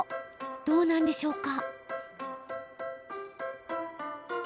どうなんでしょうか？